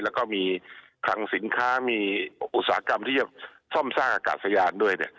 แล้วก็มีคลังสินค้ามีอุตสาหกรรมที่จะซ่อมสร้างอากาศยานด้วย